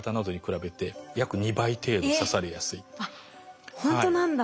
あっほんとなんだ。